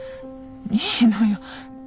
いいのよ。